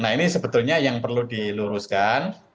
nah ini sebetulnya yang perlu diluruskan